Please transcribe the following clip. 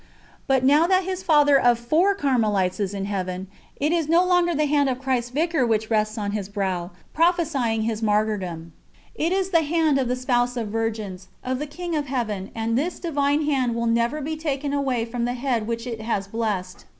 But now that this father of four Carmelites is in Heaven, it is no longer the hand of Christ's Vicar which rests on his brow, prophesying his martyrdom: it is the hand of the Spouse of Virgins, of the King of Heaven; and this Divine Hand will never be taken away from the head which it has blessed.